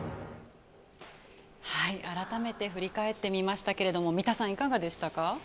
改めて振り返ってみましたが三田さん、いかがでしたか？